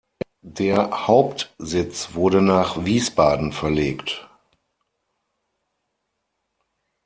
Der Hauptsitz wurde nach Wiesbaden verlegt.